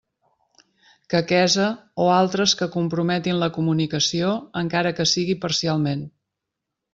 Quequesa o altres que comprometin la comunicació, encara que sigui parcialment.